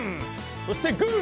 そしてグー！